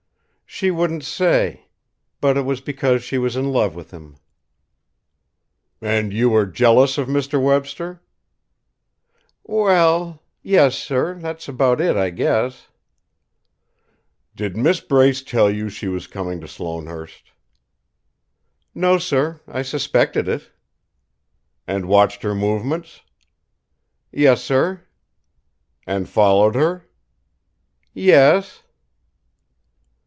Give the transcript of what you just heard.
"She wouldn't say. But it was because she was in love with him." "And you were jealous of Mr. Webster?" "We ell yes, sir; that's about it, I guess." "Did Miss Brace tell you she was coming to Sloanehurst?" "No, sir. I suspected it." "And watched her movements?" "Yes, sir." "And followed her?" "Yes."